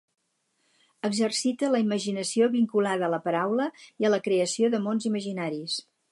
Exercite la imaginació vinculada a la paraula i a la creació de mons imaginaris.